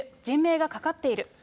人命がかかっている。